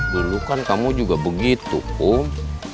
dulu kan kamu juga begitu pun